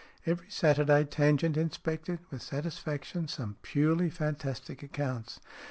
Every Saturday Tangent inspected, with satisfaction, some purely fantastic accounts.